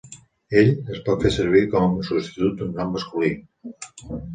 "Ell" es pot fer servir com a substitut d'un nom masculí.